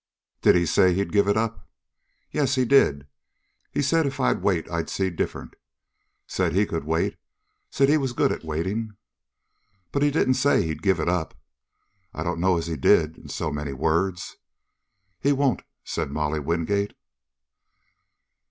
"Did he say he'd give it up?" "Yes, he did. He said if I'd wait I'd see different. Said he could wait said he was good at waiting." "But he didn't say he'd give it up?" "I don't know as he did in so many words." "He won't," said Molly Wingate.